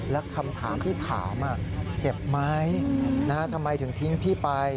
และคำถามที่ถามเจ็บไหมทำไมถึงทิ้งพี่ไป